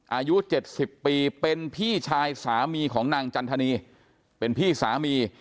อายุ๗๐ปีเป็นพี่ชายสามีของนางจันทนีเป็นพี่สามี